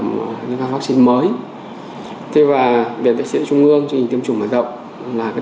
một loại vắc xin mới thế và viện vệ sinh dịch tễ trung ương trên hình tiêm chủng mở rộng là cái